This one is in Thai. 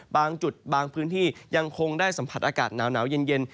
บางจุดบางพื้นที่ยังคงได้สัมผัสอากาศหนาวเย็น